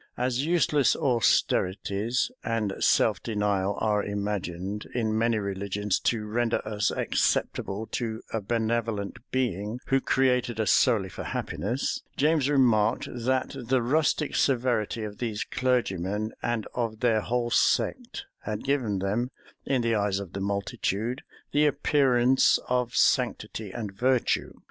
As useless austerities and self denial are imagined, in many religions, to render us acceptable to a benevolent Being, who created us solely for happiness, James remarked, that the rustic severity of these clergymen, and of their whole sect, had given them, in the eyes of the multitude, the appearance of sanctity and virtue.